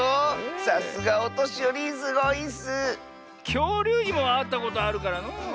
きょうりゅうにもあったことあるからのう。